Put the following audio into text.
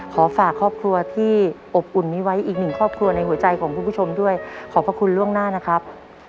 ขอฝากครอบครัวที่อบอุ่นนี้ไว้อีกหนึ่งครอบครัวในหัวใจของคุณผู้ชมด้วยขอบพระคุณล่วงหน้านะครับ